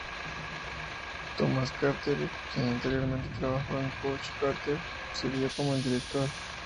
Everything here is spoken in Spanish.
Thomas Carter, quien anteriormente trabajó en "Coach Carter", sirvió como el director.